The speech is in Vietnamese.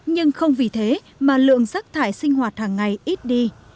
nhưng không vì thế mà lượng rác thải sinh hoạt hàng ngày ít đi